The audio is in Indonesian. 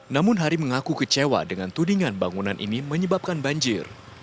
namun hari mengaku kecewa dengan tudingan bangunan ini menyebabkan banjir